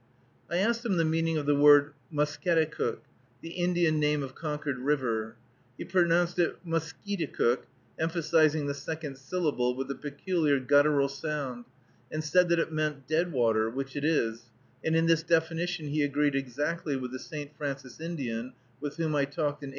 I asked him the meaning of the word Musketicook, the Indian name of Concord River. He pronounced it Muskéeticook, emphasizing the second syllable with a peculiar guttural sound, and said that it meant "deadwater," which it is, and in this definition he agreed exactly with the St. Francis Indian with whom I talked in 1853.